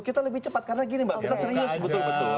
kita lebih cepat karena gini mbak kita serius betul betul